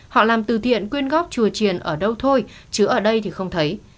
họ làm từ thiện quyên góp chùa triền ở đâu thôi chứ ở đây thì không thấy